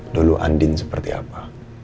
dulu andin seperti apa